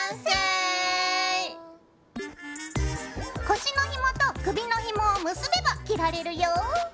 腰のひもと首のひもを結べば着られるよ！